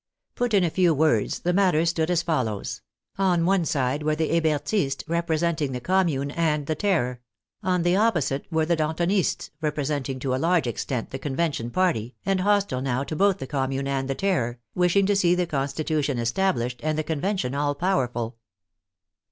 Put in a few words, the matter stood as follows: on one side were the Hebertists, representing the Com mune and the Terror; on the opposite were the Dan tonists, representing to a large extent the Convention party, and hostile now to both the Commune and the Terror, wishing to see the Constitution established and the Convention all powerful.